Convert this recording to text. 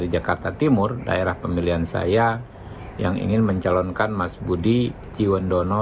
jakarta timur daerah pemilihan saya yang ingin mencalonkan mas budi ciwandono